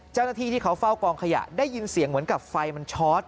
เจ้าหน้าที่ที่เขาเฝ้ากองขยะได้ยินเสียงเหมือนกับไฟมันชอต